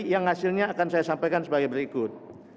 yang hasilnya akan saya sampaikan sebagai berikut